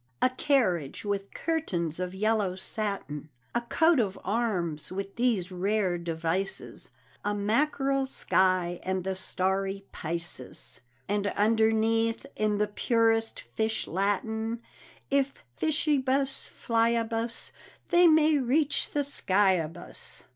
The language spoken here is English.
A carriage with curtains of yellow satin A coat of arms with these rare devices: "A mackerel sky and the starry Pisces " And underneath, in the purest fish latin, _If fishibus flyabus They may reach the skyabus!